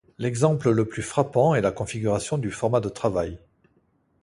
L'exemple le plus frappant est la configuration du format de travail.